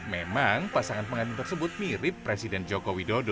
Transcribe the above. memang pasangan pengantin tersebut mirip presiden joko widodo